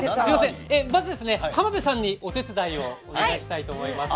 浜辺さんにまずはお手伝いをお願いしたいと思います。